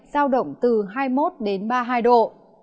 giao động từ hai mươi một đến ba mươi hai độ